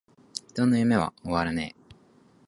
人の夢は!!!終わらねェ!!!!